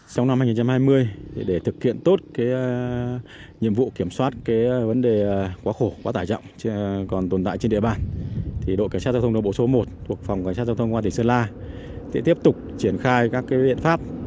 trong năm hai nghìn hai mươi để thực hiện tốt nhiệm vụ kiểm soát vấn đề quá khổ quá tải trọng còn tồn tại trên địa bàn đội cảnh sát giao thông đồng bộ số một thuộc phòng cảnh sát giao thông công an tỉnh sơn la sẽ tiếp tục triển khai các biện pháp